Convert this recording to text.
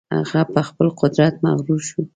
هغه په خپل قدرت مغرور شو.